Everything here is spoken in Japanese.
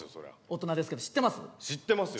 大人ですけど知ってます？